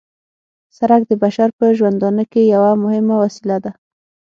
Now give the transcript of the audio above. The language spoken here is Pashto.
سرک د بشر په ژوندانه کې یوه مهمه وسیله ده